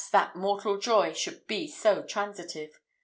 that mortal joy should be so transitive!